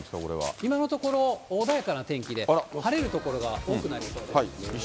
今のところ、穏やかな天気で、晴れる所が多くなりそうです。